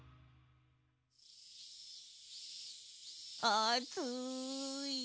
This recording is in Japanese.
あつい。